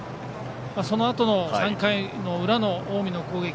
そのあとの３回の裏の近江の攻撃